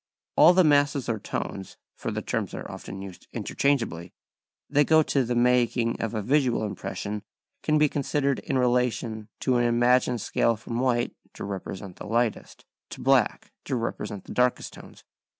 All the masses or tones (for the terms are often used interchangeably) that go to the making of a visual impression can be considered in relation to an imagined scale from white, to represent the lightest, to black, to represent the darkest tones.